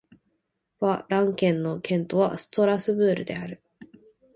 バ＝ラン県の県都はストラスブールである